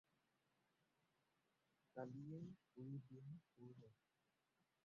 কালিয়েই কুৰি দিন পূৰ হ'ল।